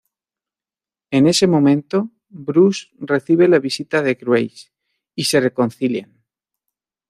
En ese momento, Bruce recibe la visita de Grace y se reconcilian.